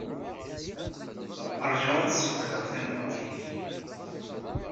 Ṛju ad sfeqdeɣ tanfult-nnek.